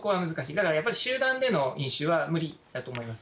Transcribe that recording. だから、集団での飲酒は無理だと思います。